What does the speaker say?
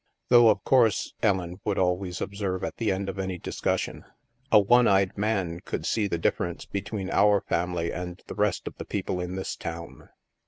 "Though, of course," Ellen would always ob serve at the end of any discussion, " a one eyed man could see the difference between our family and the rest of the people in this town."